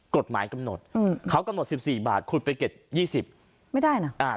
กฎหมายกำหนดอืมเขากำหนดสิบสี่บาทคุดไปเก็บยี่สิบไม่ได้น่ะอ่า